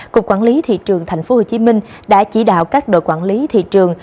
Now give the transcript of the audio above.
cục quản lý thị trường tp hcm đã chỉ đạo các đội quản lý thị trường